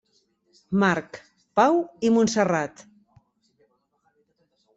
Marc, Pau i Montserrat.